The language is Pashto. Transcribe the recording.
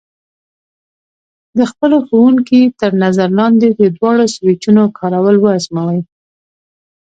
د خپلو ښوونکي تر نظر لاندې د دواړو سویچونو کارول وازموئ.